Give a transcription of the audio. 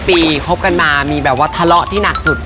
ปีคบกันมามีแบบว่าทะเลาะที่หนักสุด